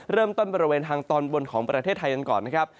บริเวณทางตอนบนของประเทศไทยกันก่อนนะครับ